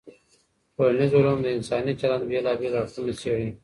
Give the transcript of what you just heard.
ټولنیز علوم د انساني چلند بېلابېل اړخونه څېړي.